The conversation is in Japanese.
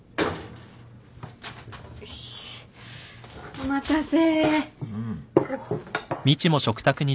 お待たせ。